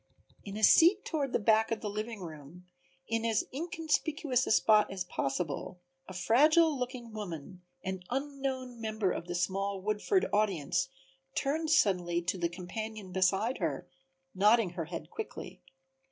In a seat toward the back of the living room, in as inconspicuous a spot as possible, a fragile looking woman, an unknown member of the small Woodford audience, turned suddenly to the companion beside her, nodding her head quickly.